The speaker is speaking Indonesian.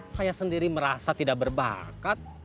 saya sendiri merasa tidak berbakat